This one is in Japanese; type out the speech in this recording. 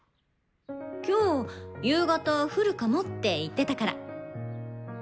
今日夕方降るかもって言ってたから念のため。